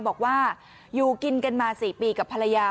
บอกว่าอยู่กินกันมา๔ปีกับภรรยา